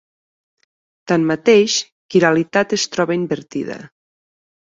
Tanmateix, quiralitat es troba invertida.